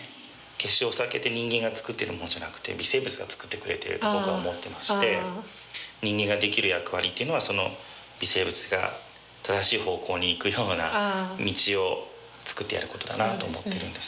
決してお酒って人間が造ってるものじゃなくて微生物が造ってくれてると僕は思ってまして人間ができる役割っていうのはその微生物が正しい方向に行くような道を作ってやる事だなと思ってるんですけど。